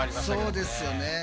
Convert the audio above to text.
そうですよね。